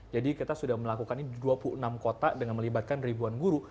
jadi kita sudah melakukan ini di dua puluh enam kota dengan melibatkan ribuan guru